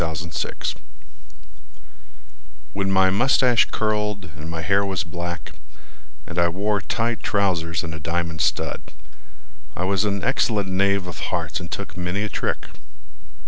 Lucius Atherton When my moustache curled, And my hair was black, And I wore tight trousers And a diamond stud, I was an excellent knave of hearts and took many a trick.